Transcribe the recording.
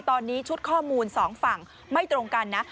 ตอนนี้ชุดข้อมูลสองฝั่งไม่ตรงกันนะ